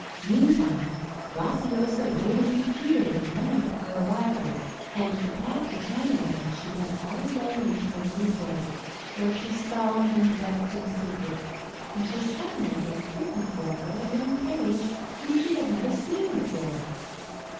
Meantime, Graciosa waited in fear the moment of her arrival, and, to pass the time away, she went all alone into a little wood, where she sobbed and wept in secret, until suddenly there appeared before her a young page, whom she had never seen before.